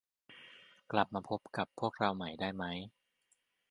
กลับมาพบกับพวกเราได้ใหม่